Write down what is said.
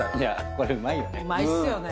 これうまいよね。